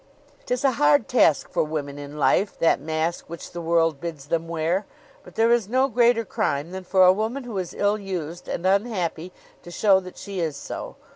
'Tis a hard task for women in life, that mask which the world bids them wear. But there is no greater crime than for a woman who is ill used and unhappy to show that she is so.